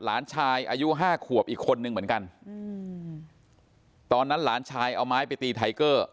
หลานชายอายุห้าขวบอีกคนนึงเหมือนกันอืมตอนนั้นหลานชายเอาไม้ไปตีไทเกอร์